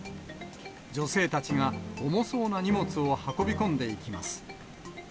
女性たちが重そうな荷物を運び込んでいきます。